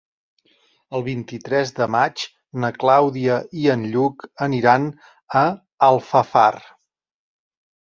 El vint-i-tres de maig na Clàudia i en Lluc aniran a Alfafar.